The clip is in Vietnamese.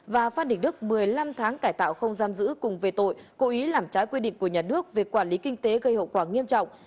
và phan đình đức một mươi năm tháng cải tạo không giam giữ cùng về tội cố ý làm trái quy định của nhà nước về quản lý kinh tế gây hậu quả nghiêm trọng